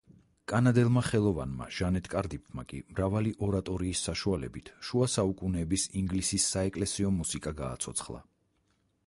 კანადელმა ხელოვანმა ჟანეტ კარდიფმა, კი მრავალი ორატორის საშუალებით, შუა საუკუნეების ინგლისის საეკლესიო მუსიკა გააცოცხლა.